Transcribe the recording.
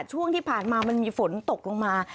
ช่วงที่ผ่านมามันมีฝนตกลงมา